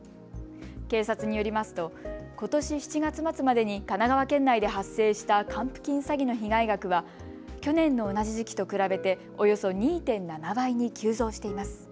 警察によりますとことし７月末までに神奈川県内で発生した還付金詐欺の被害額は去年の同じ時期と比べておよそ２．７倍に急増しています。